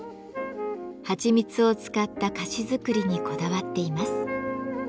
はちみつを使った菓子作りにこだわっています。